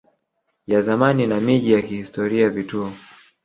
ya zamani na miji ya kihistoria vituo